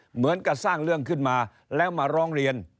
เหมือนกับสร้างเรื่องขึ้นมาแล้วมาร้องเรียน